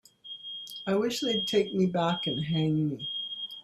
I wish they'd take me back and hang me.